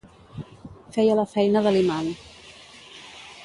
Feia la feina de l'imant.